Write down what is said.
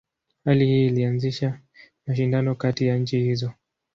Hali hii ilianzisha mashindano kati ya nchi hizo.